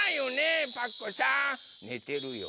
ねてるよ。